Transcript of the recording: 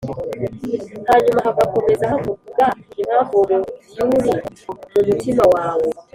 Hanyuma hagakomeza havuga impamvu uwo muvyouri mu mutima wawe